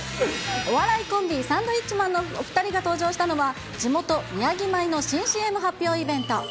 お笑いコンビ、サンドウィッチマンのお２人が登場したのは、地元、宮城米の新ＣＭ発表イベント。